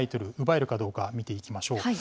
奪えるかどうか見ていきましょう。